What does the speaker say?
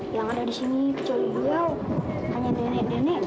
yang ada di sini cowok cowok hanya nenek nenek dan nek nek saja